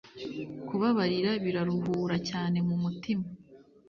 Kubabarira biraruhura cyane mumutima